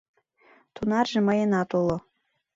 — Тунарже мыйынат уло.